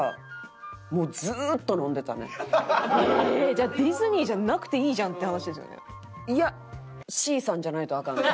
じゃあディズニーじゃなくていいじゃんって話ですよね。